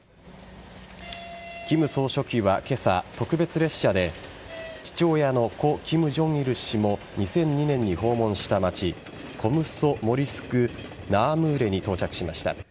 金総書記は今朝特別列車で父親の故・金正日氏も２００２年に訪問した町コムソモリスクナアムーレに到着しました。